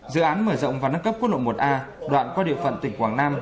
dự án mở rộng và nâng cấp quốc lộ một a đoạn qua địa phận tỉnh quảng nam